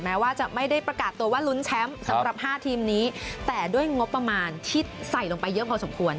แม้ว่าจะไม่ได้ประกาศตัวว่าลุ้นแชมป์สำหรับห้าทีมนี้แต่ด้วยงบประมาณที่ใส่ลงไปเยอะพอสมควร